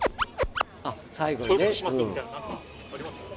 あっ最後にね。